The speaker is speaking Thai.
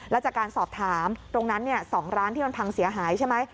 แล้วจากการสอบถามตรงนั้น๒ร้านที่มันพังเสียหายใช่ไหม